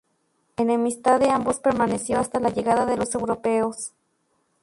La enemistad de ambos permaneció hasta la llegada de los europeos.